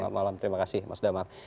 malam terima kasih mas damar